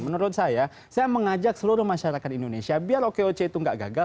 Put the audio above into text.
menurut saya saya mengajak seluruh masyarakat indonesia biar okoc itu nggak gagal